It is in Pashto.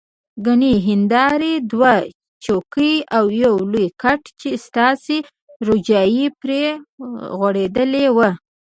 ګڼې هندارې، دوه چوکۍ او یو لوی کټ چې ساټني روجایې پرې غوړېدلې وه.